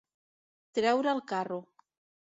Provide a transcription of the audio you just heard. Treure el carro.